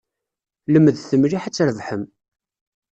Lemdet mliḥ ad trebḥem.